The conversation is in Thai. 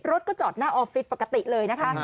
รถก็จอดหน้าออฟฟิศปกติเลยนะคะ